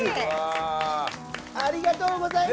ありがとうございます！